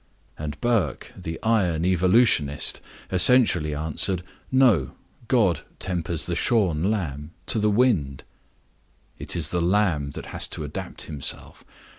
And Burke, the iron evolutionist, essentially answered, "No; God tempers the shorn lamb to the wind." It is the lamb that has to adapt himself.